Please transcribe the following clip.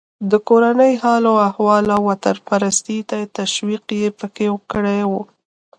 د کورني حال و احوال او وطنپرستۍ ته تشویق یې پکې کړی و.